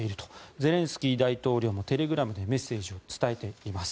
ゼレンスキー大統領もテレグラムでメッセージを伝えています。